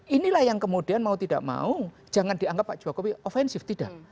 inilah yang kemudian mau tidak mau jangan dianggap pak jokowi ofensif tidak